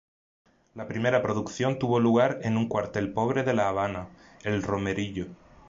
La primera producción tuvo lugar en un cuartel pobre de la Habana, El Romerillo.